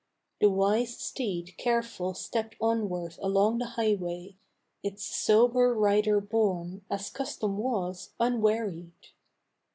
The wise steed careful stepped onward along the highway, Its sober rider borne, as custom was, unwearied.